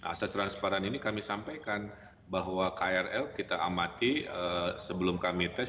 asas transparan ini kami sampaikan bahwa krl kita amati sebelum kami tes